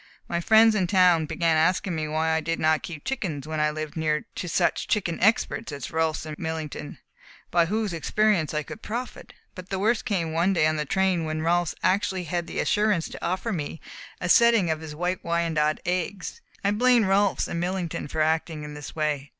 My friends in town began asking me why I did not keep chickens when I lived near to such chicken experts as Rolfs and Millington, by whose experience I could profit; but the worst came one day on the train when Rolfs actually had the assurance to offer me a setting of his White Wyandotte eggs. I blame Rolfs and Millington for acting in this way.